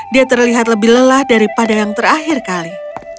dia terlihat lebih lelah daripada yang terakhir kali